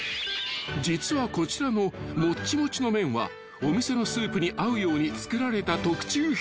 ［実はこちらのもっちもちの麺はお店のスープに合うように作られた特注品］